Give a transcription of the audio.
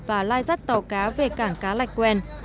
và lai rắt tàu cá về cảng cá lạch quen